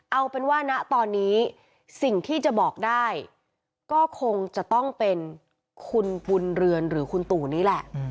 เอาเป็นว่าณตอนนี้สิ่งที่จะบอกได้ก็คงจะต้องเป็นคุณบุญเรือนหรือคุณตู่นี่แหละ